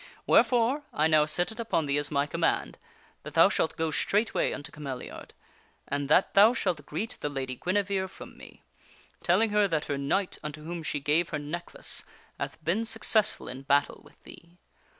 Wherefore, I now set it upon thee as my command, that thou shalt go straightway unto Cameliard, and that thou shalt greet the Lady Guinevere from me, telling her that her knight unto whom she gave her King Arthur ..'. r i r ., sendeth sir necklace hath been successful in battle with thee.